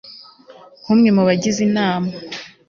nk umwe mu bagize inama